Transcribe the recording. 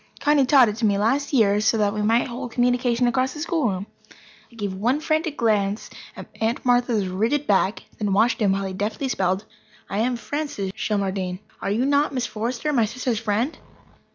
Connie taught it to me last year, so that we might hold communication across the schoolroom. I gave one frantic glance at Aunt Martha's rigid back, and then watched him while he deftly spelled: "I am Francis Shelmardine. Are you not Miss Forrester, my sister's friend?"